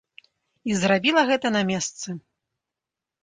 І зрабіла гэта на месцы.